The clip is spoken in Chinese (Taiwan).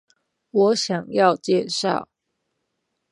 我想要介紹